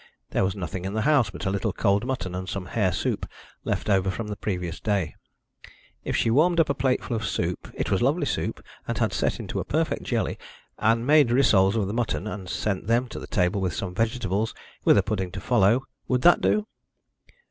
There was nothing in the house but a little cold mutton, and some hare soup left over from the previous day. If she warmed up a plateful of soup it was lovely soup, and had set into a perfect jelly and made rissoles of the mutton, and sent them to table with some vegetables, with a pudding to follow; would that do?